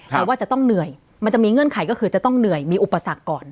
แต่ว่าจะต้องเหนื่อยมันจะมีเงื่อนไขก็คือจะต้องเหนื่อยมีอุปสรรคก่อน